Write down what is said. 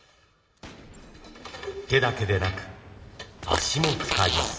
手だけでなく足も使います。